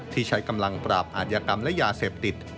ที่ใช้กำลังปราบอาทยากรรมและยาเสพติด